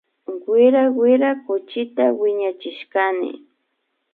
Wira wira kuchita wiñachishkani